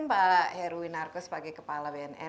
pak heru winarko sebagai kepala bnn